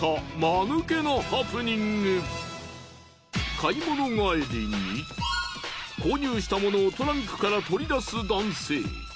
買い物帰りに購入した物をトランクから取り出す男性。